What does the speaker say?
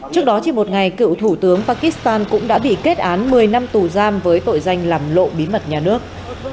trước đó chỉ một ngày cựu thủ tướng pakistan cũng đã bị kết án một mươi năm tù giam với tội danh làm lộ bí mật nhà nước